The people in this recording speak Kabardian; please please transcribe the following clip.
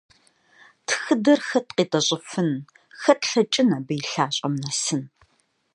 Тхыдэр хэт къитӀэщӀыфын, хэт лъэкӀын абы и лъащӀэм нэсын?